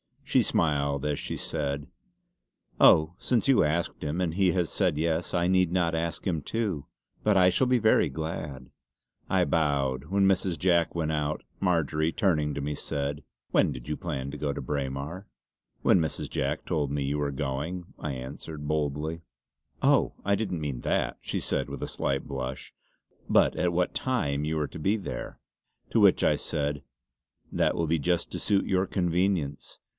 She smiled as she said: "Oh since you asked him and he had said yes I need not ask him too; but I shall be very glad!" I bowed. When Mrs. Jack went out, Marjory turning to me said: "When did you plan to go to Braemar?" "When Mrs. Jack told me you were going" I answered boldly. "Oh! I didn't mean that," she said with a slight blush "but at what time you were to be there." To which I said: "That will be just to suit your convenience.